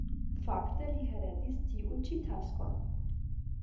Fakte li heredis tiun ĉi taskon.